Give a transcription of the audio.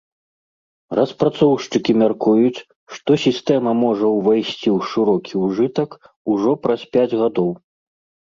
Распрацоўшчыкі мяркуюць, што сістэма можа ўвайсці ў шырокі ўжытак ужо праз пяць гадоў.